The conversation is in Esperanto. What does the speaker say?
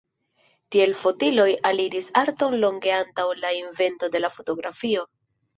Tiel fotiloj aliris arton longe antaŭ la invento de la fotografio.